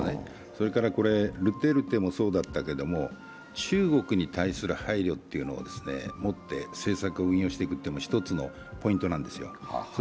それからドゥテルテもそうだったけれども、中国に対する配慮を持って政策を運用していくというのも一つのポイントなんですよ。